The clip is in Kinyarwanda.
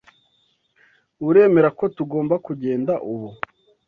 Uremera ko tugomba kugenda ubu?